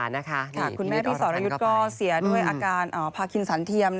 คุณแม่พี่สอรยุทธ์ก็เสียด้วยอาการพาคินสันเทียม